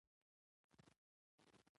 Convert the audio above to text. او خندان شينكى آسمان هنوز روښان دى